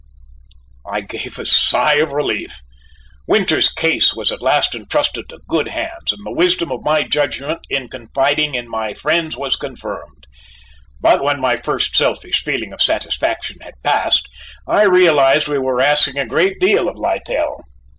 I gave a sigh of relief. Winters's case was at last entrusted to good hands and the wisdom of my judgment in confiding in my friends was confirmed, but when my first selfish feeling of satisfaction had passed, I realized we were asking a great deal of Littell.